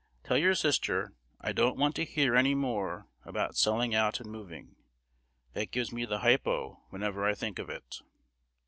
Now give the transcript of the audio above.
Tell your sister, I don't want to hear any more about selling out and moving, That gives me the hypo whenever I think of it.